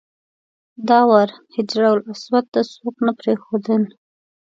دا وار حجرالاسود ته څوک نه پرېښودل.